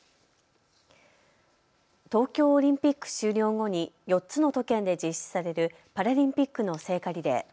東京オリンピック終了後に４つの都県で実施されるパラリンピックの聖火リレー。